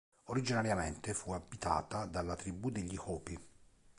Originariamente fu abitata dalla tribù degli Hopi.